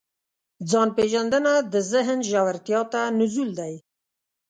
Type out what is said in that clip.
د ځان پېژندنه د ذهن ژورتیا ته نزول دی.